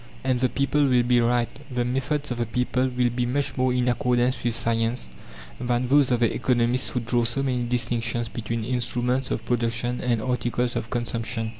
And the people will be right. The methods of the people will be much more in accordance with science than those of the economists who draw so many distinctions between instruments of production and articles of consumption.